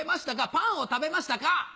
パンを食べましたか？